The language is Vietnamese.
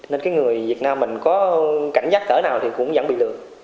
nên cái người việt nam mình có cảnh giác cỡ nào thì cũng vẫn bị lừa